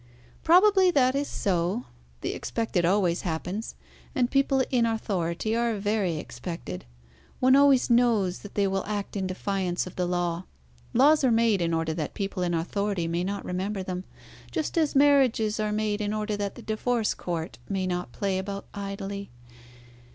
"Probably that is so. The expected always happens, and people in authority are very expected. One always knows that they will act in defiance of the law. Laws are made in order that people in authority may not remember them, just as marriages are made in order that the divorce court may not play about idly.